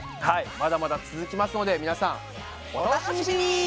まだまだ続きますので皆さん。お楽しみに！